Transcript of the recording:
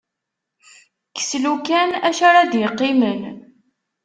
Kkes "lukan", acu ara d-iqqimen.